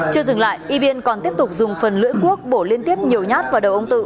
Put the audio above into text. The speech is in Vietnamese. chưa dừng lại e viên còn tiếp tục dùng phần lưỡi cuốc bổ liên tiếp nhiều nhát vào đầu ông tự